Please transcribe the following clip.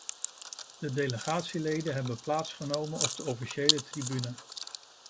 De delegatieleden hebben plaatsgenomen op de officiële tribune.